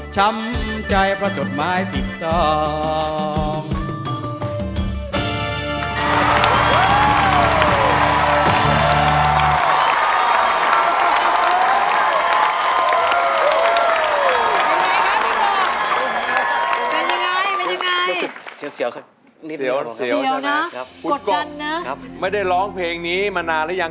ช้ำใจเพราะจดหมายผิดสอง